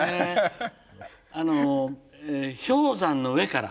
あの氷山の上から。